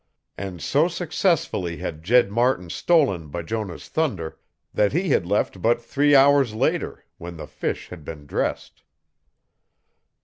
And so successfully had Jed Martin stolen Bijonah's thunder that he had left but three hours later when the fish had been dressed.